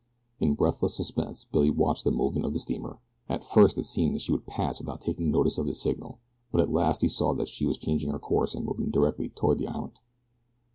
In breathless suspense Billy watched the movements of the steamer. At first it seemed that she would pass without taking notice of his signal, but at last he saw that she was changing her course and moving directly toward the island.